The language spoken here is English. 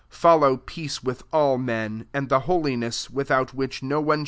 14 Follow peace with all nun ; and the ho* liness, without which no one